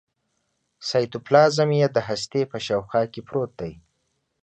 سایتوپلازم یې د هستې په شاوخوا کې پروت دی.